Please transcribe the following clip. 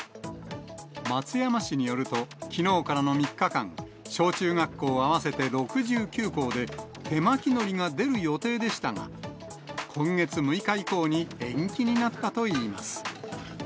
松山市によると、きのうからの３日間、小中学校合わせて６９校で、手巻きのりが出る予定でしたが、今月６日以降に延期になったといいます。